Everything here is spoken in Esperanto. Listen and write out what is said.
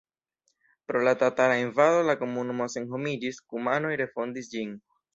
Pro la tatara invado la komunumo senhomiĝis, kumanoj refondis ĝin.